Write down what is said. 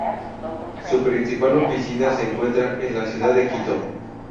Su principal oficina se encuentra en la ciudad de Quito.